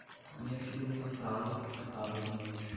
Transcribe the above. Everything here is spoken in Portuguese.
A minha filha usa fraldas descartáveis à noite.